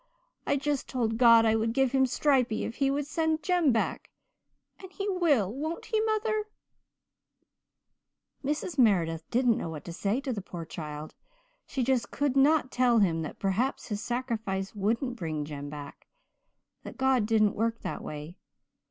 I just told God I would give Him Stripey if He would send Jem back. And He will, won't He, mother?' "Mrs. Meredith didn't know what to say to the poor child. She just could not tell him that perhaps his sacrifice wouldn't bring Jem back that God didn't work that way.